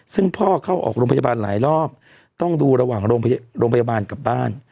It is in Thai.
ซึ่งพ่อเข้าออกโรงพยาบาลหลายรอบต้องดูระหว่างโรงพยาบาลกับบ้าน